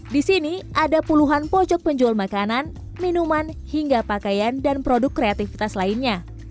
di sini ada puluhan pojok penjual makanan minuman hingga pakaian dan produk kreatifitas lainnya